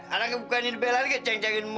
anaknya bukannya be lagi kaya cengeng cengeng mo